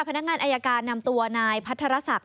พนักงานอายการนำตัวนายพัทรศักดิ